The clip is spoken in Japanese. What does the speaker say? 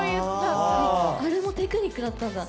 あれもテクニックだったんだ。